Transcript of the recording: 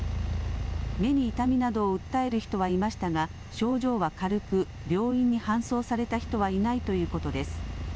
目に痛みなどを訴える人はいましたが症状は軽く病院に搬送された人はいないということです。